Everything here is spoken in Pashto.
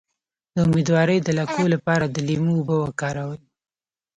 د امیدوارۍ د لکو لپاره د لیمو اوبه وکاروئ